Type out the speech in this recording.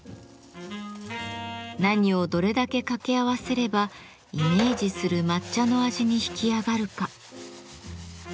何をどれだけ掛け合わせればイメージする抹茶の味に引き上がるか。